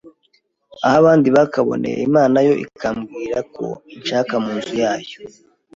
aho abandi bakaboneye , Imana yo ikambwirako inshaka munzu yayo